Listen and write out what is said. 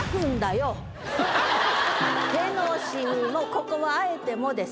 ここはあえて「も」です。